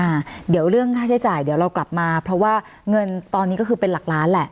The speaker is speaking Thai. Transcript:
อ่าเดี๋ยวเรื่องค่าใช้จ่ายเดี๋ยวเรากลับมาเพราะว่าเงินตอนนี้ก็คือเป็นหลักล้านแหละ